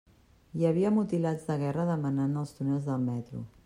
Hi havia mutilats de guerra demanant als túnels del metro.